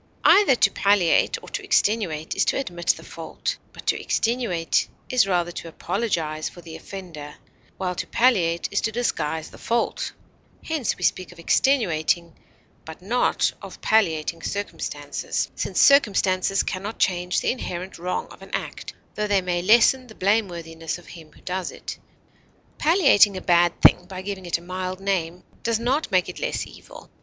Either to palliate or to extenuate is to admit the fault; but to extenuate is rather to apologize for the offender, while to palliate is to disguise the fault; hence, we speak of extenuating but not of palliating circumstances, since circumstances can not change the inherent wrong of an act, tho they may lessen the blameworthiness of him who does it; palliating a bad thing by giving it a mild name does not make it less evil.